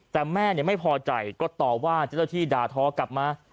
แต่แม่ไม่พอใจก็ต่อว่าเจ้าหน้าที่ด่าทอกลับมา